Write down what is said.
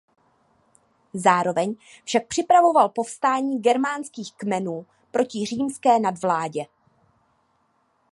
Zároveň však připravoval povstání germánských kmenů proti římské nadvládě.